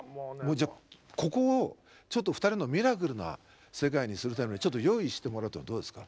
じゃあここをちょっと２人のミラクルな世界にするためにちょっと用意してもらうってどうですか？